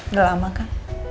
udah lama kan